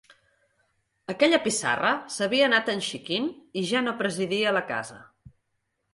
Aquella pissarra s'havia anat enxiquint i ja no presidia la casa